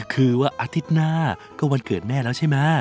คือว่าอาทิตย์หน้าก็วันเกิดแม่แล้วใช่ไหม